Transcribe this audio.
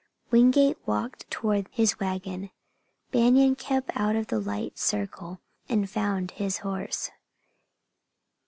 Wingate walked toward his wagon. Banion kept out of the light circle and found his horse.